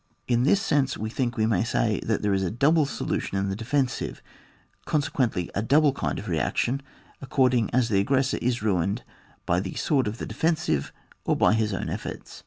In this sense we think we may say that there is a double solution in the defensive, consequently a double kind of reaction, according as the aggressor is ruined by the Hoord of the defensive^ or by h%B own efforts.